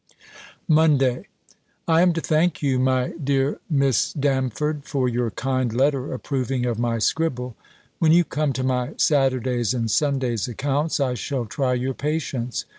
MONDAY. I am to thank you, my dear Miss Damford, for your kind letter, approving of my scribble. When you come to my Saturday's and Sunday's accounts, I shall try your patience.